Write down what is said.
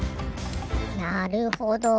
なるほど。